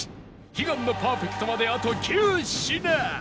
悲願のパーフェクトまであと９品